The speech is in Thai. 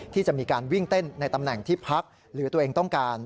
ที่จะมีการวิ่งเต้นในตำแหน่งที่พักหรือตัวเองต้องการ